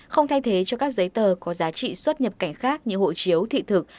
không thay thế cho các giấy tờ có giá trị xuất nhập cảnh khác như hộ chiếu thị thực